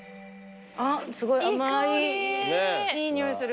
あっすごい甘いいい匂いする。